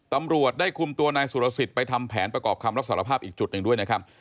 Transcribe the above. ตำรวจได้คุมตัวนายสุรสิทธิ์ไปทำแผนประกอบคำรับสารภาพอีกจุดหนึ่งด้วยนะครับ